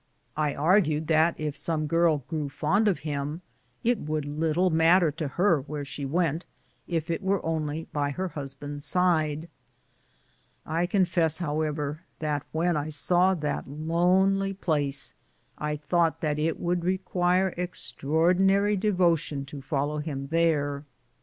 I argued that if some girl grew fond of him, it would little mat ter to her where she went, if it were only by her hus band's side. I confess, however, that when I saw that lonely place, I thought that it would require extraordi nary devotion to follow him there.